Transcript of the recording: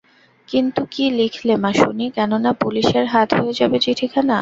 কিন্তু কী লিখলে মা শুনি, কেননা পুলিসের হাত হয়ে যাবে চিঠিখানা।